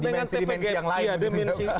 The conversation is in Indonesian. dimensi dimensi yang lain